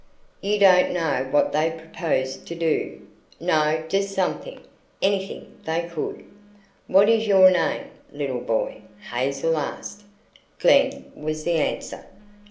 "You don't know what they proposed to do?" "No just somethin', anything they could." "What is your name, little boy?" Hazel asked. "Glen" was the answer.